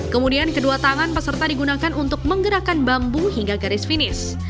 kemudian kedua tangan peserta digunakan untuk menggerakkan bambu hingga garis finish